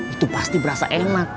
itu pasti berasa enak